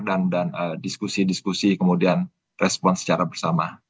dan diskusi diskusi kemudian respons secara bersama